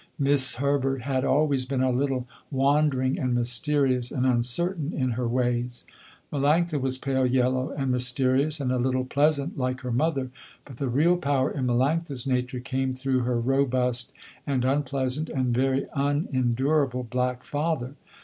'Mis' Herbert had always been a little wandering and mysterious and uncertain in her ways. Melanctha was pale yellow and mysterious and a little pleasant like her mother, but the real power in Melanctha's nature came through her robust and unpleasant and very unendurable black father.